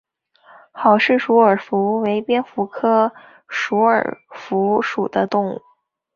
郝氏鼠耳蝠为蝙蝠科鼠耳蝠属的动物。